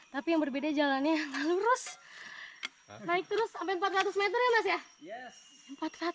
tapi yang berbeda jalannya lurus naik terus sampai empat ratus meter ya mas ya